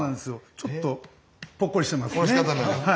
ちょっとぽっこりしてますね。